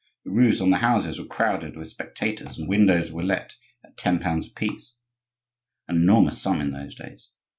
The roofs on the houses were crowded with spectators, and windows were let at ten pounds apiece,—an enormous sum in those days.